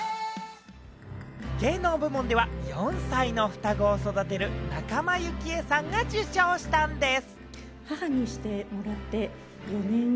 芸能部門では４歳の双子を育てる仲間由紀恵さんが受賞したんです！